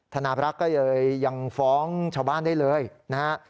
ธนาบรักษ์ก็เลยยังฟ้องชาวบ้านได้เลยนะฮะ